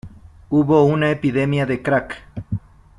Hubo una epidemia de Crack.